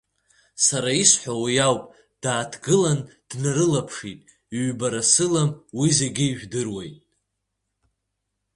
Сара исҳәо уи ауп, дааҭгылан днарылаԥшит, ҩбара сылам, уи зегьы ижәдыруеит…